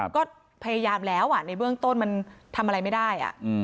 ก็พยายามแล้วในเบื้องต้นมันทำอะไรไม่ได้